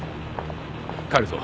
帰るぞ。